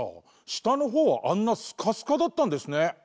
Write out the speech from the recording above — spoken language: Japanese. したのほうはあんなスカスカだったんですね。